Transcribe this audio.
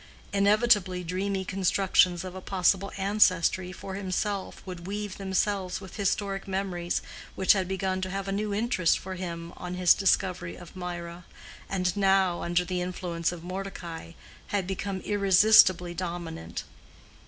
Inevitably dreamy constructions of a possible ancestry for himself would weave themselves with historic memories which had begun to have a new interest for him on his discovery of Mirah, and now, under the influence of Mordecai, had become irresistibly dominant.